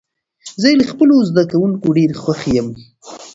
زه له خپلو زده کوونکو ډېر خوښ يم.